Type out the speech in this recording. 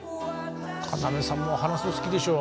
要さんも話すの好きでしょ。